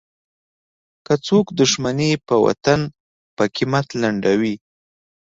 که څوک دوښمني په وطن په قیمت لنډوي.